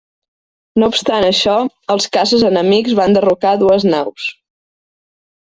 No obstant això, els caces enemics van derrocar dues naus.